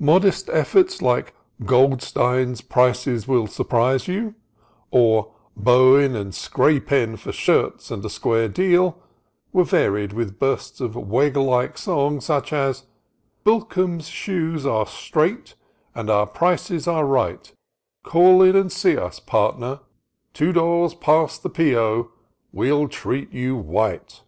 Modest efforts like "Goldstein's Prices will Surprise You" or " Bowen and Scraypen for Shirts and a Square Deal " were varied with bursts of Wegg like song, such as " Bilkem's Shoes are Straight and our Prices are Right ; Call in and see Us, Partner, 2 doors past the P.O. we '11 treat you white."